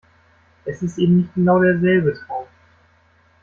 Es ist eben nicht genau derselbe Traum.